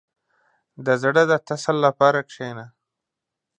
• د زړه د تسل لپاره کښېنه.